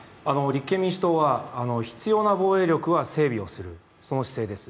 立憲民主党は必要な防衛力は整備をする、その姿勢です。